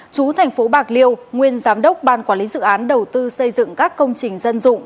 chú thành phố bạc liêu nguyên giám đốc ban quản lý dự án đầu tư xây dựng các công trình dân dụng